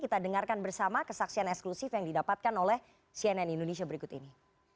kita dengarkan bersama kesaksian eksklusif yang didapatkan oleh cnn indonesia berikut ini